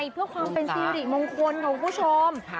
เพื่อความเป็นสิริมงคลค่ะคุณผู้ชม